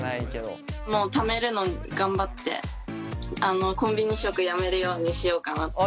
もうためるの頑張ってコンビニ食やめるようにしようかなって。